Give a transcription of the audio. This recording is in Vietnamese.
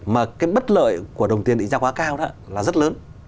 mà cái bất lợi của đồng tiền định giá quá cao đó là rất lớn